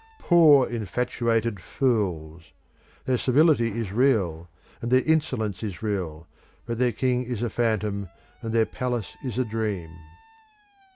Poor infatuated fools! Their servility is real, and their insolence is real, but their king is a phantom and their palace is a dream.